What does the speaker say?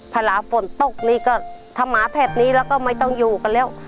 เวลาฝนตกนี่ก็ทำหมาแถบนี้แล้วก็ไม่ต้องอยู่กันแล้ว